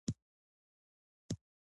د نن کار سبا ته مه پریږدئ